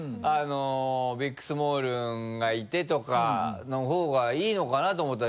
ビックスモールンがいてとかの方がいいのかなと思ったら。